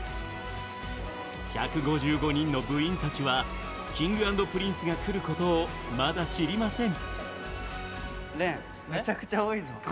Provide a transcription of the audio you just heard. １５５人の部員たちはＫｉｎｇ＆Ｐｒｉｎｃｅが来ることをまだ知りません。